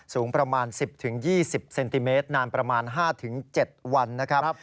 สูงประมาณ๑๐๒๐เซนติเมตรนานประมาณ๕๗วันนะครับ